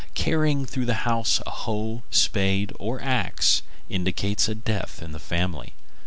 Carrying through the house a hoe, spade, or axe indicates a death in the family.